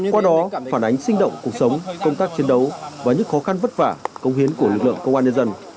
qua đó phản ánh sinh động cuộc sống công tác chiến đấu và những khó khăn vất vả công hiến của lực lượng công an nhân dân